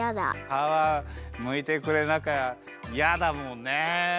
かわむいてくれなきゃやだもんねえ。